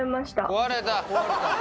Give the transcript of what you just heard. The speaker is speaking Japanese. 壊れた！